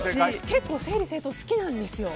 結構整理整頓好きなんですよ